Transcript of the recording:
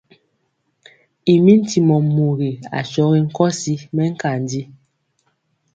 I mi ntimɔ mugi asɔgi nkɔsi mɛnkanji.